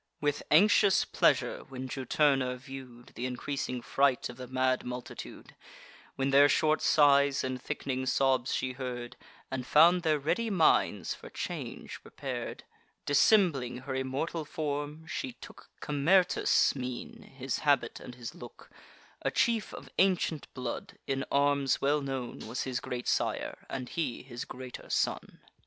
With anxious pleasure when Juturna view'd Th' increasing fright of the mad multitude, When their short sighs and thick'ning sobs she heard, And found their ready minds for change prepar'd; Dissembling her immortal form, she took Camertus' mien, his habit, and his look; A chief of ancient blood; in arms well known Was his great sire, and he his greater son.